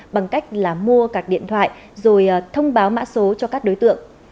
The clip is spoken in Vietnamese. bằng cách là mua các điện thoại rồi thông báo mã số cho các đối tượng